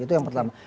itu yang pertama